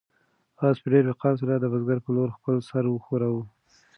آس په ډېر وقار سره د بزګر په لور خپل سر وښوراوه.